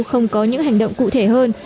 không có những hành động cụ thể hơn